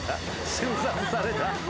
瞬殺された。